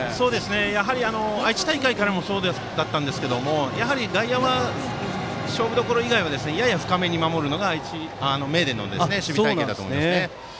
やはり、愛知大会からもそうだったんですが外野は勝負どころ以外はやや深めに守るのが名電の守備隊形だと思います。